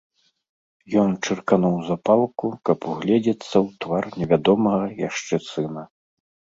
Ён чыркануў запалку, каб угледзецца ў твар невядомага яшчэ сына.